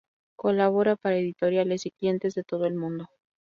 Colabora para editoriales y clientes de todo el mundo.